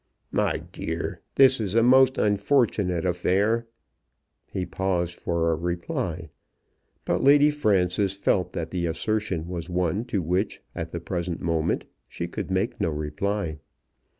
"My dear, this is a most unfortunate affair." He paused for a reply; but Lady Frances felt that the assertion was one to which at the present moment she could make no reply.